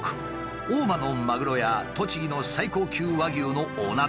大間のまぐろや栃木の最高級和牛のお鍋